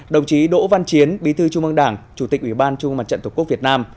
đồng chí đỗ văn chiến bí thư trung ương đảng chủ tịch ủy ban trung ương mặt trận tổ quốc việt nam